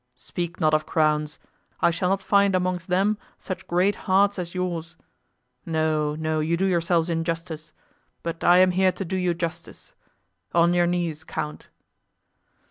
"Speak not of crowns. I shall not find amongst them such great hearts as yours. No, no, you do yourselves injustice; but I am here to do you justice. On your knees, count."